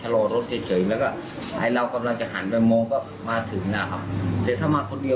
เลยไม่เคยเอกใจไม่เคยอะไรเลย